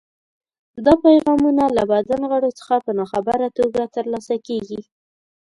دا پیغامونه له بدن غړو څخه په ناخبره توګه ترلاسه کېږي.